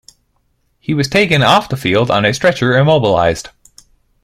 He was taken off the field on a stretcher immobilized.